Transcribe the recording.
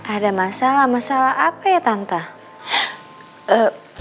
ada masalah masalah apa ya tanta